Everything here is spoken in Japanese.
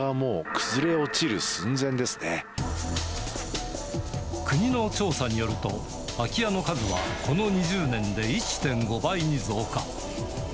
崩れ落ちる国の調査によると、空き家の数はこの２０年で１．５倍に増加。